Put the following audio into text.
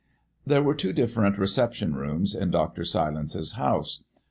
There were two different reception rooms in Dr. Silence's house.